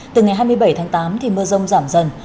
từ ngày hai mươi bảy tháng tám thì mưa rông giảm dần